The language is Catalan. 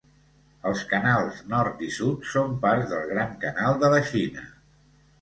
Els canals nord i sud són parts del Gran Canal de la Xina.